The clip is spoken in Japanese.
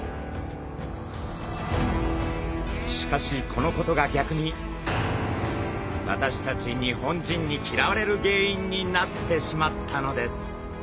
しかしこのことが逆に私たち日本人に嫌われる原因になってしまったのです。